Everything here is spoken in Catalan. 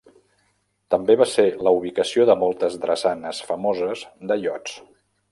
També va ser la ubicació de moltes drassanes famoses de iots.